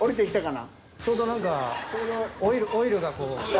ちょうど何かオイルがこう。